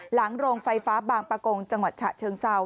โรงไฟฟ้าบางประกงจังหวัดฉะเชิงเซา